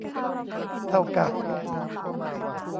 เท่ากับ